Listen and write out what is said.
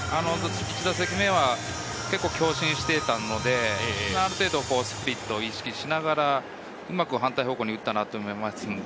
１打席目は強振していたので、ある程度、スプリットを意識しながら、うまく反対方向に打ったと思います。